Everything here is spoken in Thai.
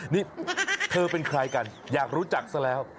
นี่เธอเป็นใครกันอยากรู้จักซะแล้ว